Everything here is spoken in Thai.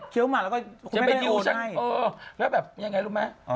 เคี้ยวหมากแล้วก็คุณแม่ได้โดนให้แล้วแบบอย่างไรรู้ไหม